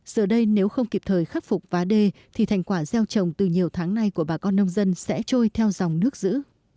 giờ đây nếu không kịp thời khắc phục vá đê thì thành quả gieo trồng từ nhiều tháng nay của bà con nông dân sẽ trôi theo dòng nước giữ